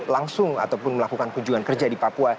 langsung ataupun melakukan kunjungan kerja di papua